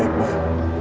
jaga diri baik bu